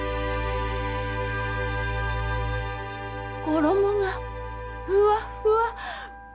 衣がふわっふわ。